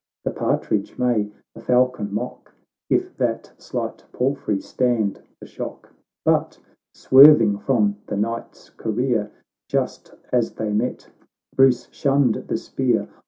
The partridge may the falcon mock, If that slight palfrey stand the shock — But, swerving from the Knight's career, Just as they met, Bruce shunned the spear.